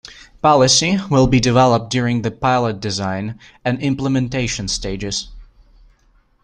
Policy will be developed during the pilot design and implementation stages.